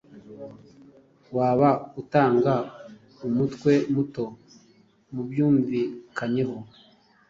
Waba utanga umutwe muto mubyumvikanyeho